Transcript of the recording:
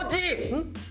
うん？